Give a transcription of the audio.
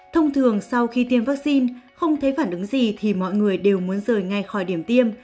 thông thường sau khi tiêm vaccine không thấy phản ứng gì thì mọi người đều muốn rời ngay khỏi điểm tiêm